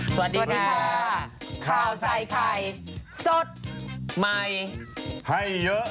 สวัสดีค่ะข้าวใส่ไข่สดใหม่ให้เยอะ